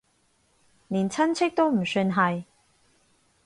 連親戚都唔算係